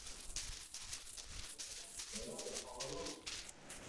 Hayo maneno mawili